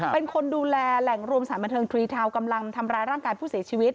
เป็นคนดูแลแหล่งรวมสถานบันเทิงทรีทาวน์กำลังทำร้ายร่างกายผู้เสียชีวิต